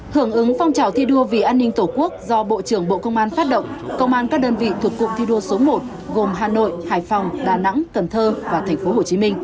hưởng ứng phong trào thi đua vì an ninh tổ quốc do bộ trưởng bộ công an phát động công an các đơn vị thuộc cụm thi đua số một gồm hà nội hải phòng đà nẵng cần thơ và tp hcm